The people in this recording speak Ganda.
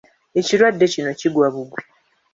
Ekirwadde kino kigwa bugwi.